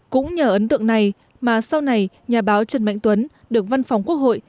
cũng nhờ ấn tượng này mà sau này nhà báo trần mạnh tuấn được văn phòng quốc hội